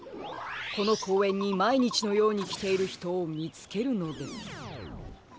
このこうえんにまいにちのようにきているひとをみつけるのです。